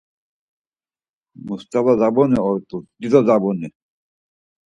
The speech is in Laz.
Must̆afa zabuni ort̆u, dido zabuni.